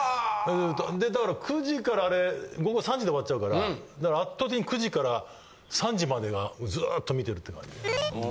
だから９時から午後３時で終わっちゃうから、だから、圧倒的に９時から３時までがずっと見てるっていう感じ。